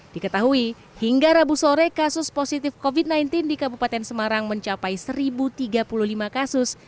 diketahui hingga rabu sore kasus positif covid sembilan belas di kabupaten semarang mencapai satu tiga puluh lima kasus